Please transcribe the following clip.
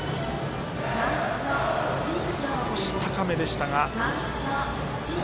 少し高めでしたが。